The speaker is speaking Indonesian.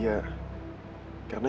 karena nyokap lo yang terhormat